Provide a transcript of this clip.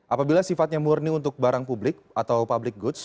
apabila sifatnya murni untuk barang publik atau public goods